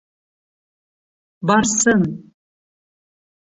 Барсын...